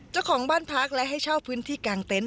เจ้าของบ้านพักและให้เช่าพื้นที่กลางเต็นต